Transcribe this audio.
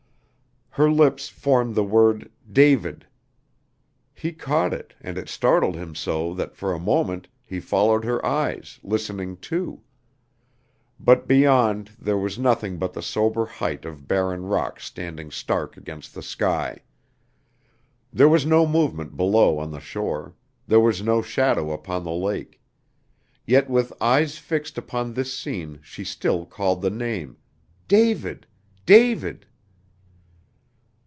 Her lips formed the word "David." He caught it and it startled him so that for a moment he followed her eyes, listening too. But beyond there was nothing but the sober height of barren rock standing stark against the sky. There was no movement below on the shore; there was no shadow upon the lake. Yet with eyes fixed upon this scene she still called the name, "David, David."